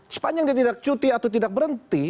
sepanjang dia tidak cuti atau tidak berhenti